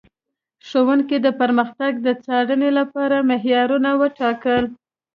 ښوونکي د پرمختګ د څارنې لپاره معیارونه ټاکل.